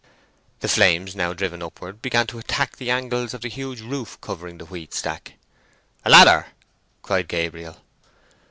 The flames, now driven upwards, began to attack the angles of the huge roof covering the wheat stack. "A ladder," cried Gabriel.